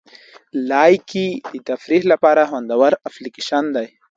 لایکي د تفریح لپاره خوندوره اپلیکیشن دی.